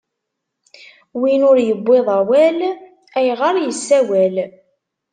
Win ur iwwiḍ wawal, ayɣeṛ issawal?